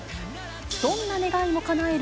どんな願いもかなえる